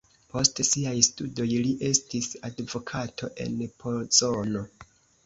Post siaj studoj li estis advokato en Pozono.